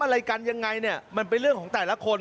อะไรกันยังไงเนี่ยมันเป็นเรื่องของแต่ละคน